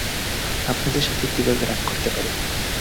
আপনাদের সাথে কিভাবে রাগ করতে পারি।